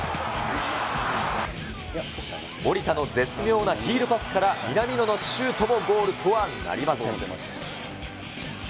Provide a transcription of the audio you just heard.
守田の絶妙なヒールパスから、南野のシュートもゴールとはなりません。